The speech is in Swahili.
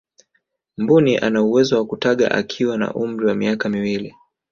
mbuni anawezo kutaga akiwa na umri wa miaka miwili